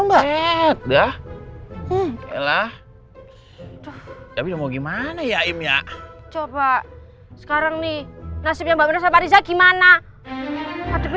mbak ya elah tapi mau gimana ya imya coba sekarang nih nasibnya bagi riza gimana adek